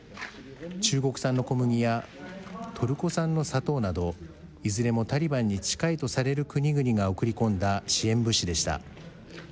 中国産の小麦や、トルコ産の砂糖など、いずれもタリバンに近いとされる国々が送り込んだ支援物資でした。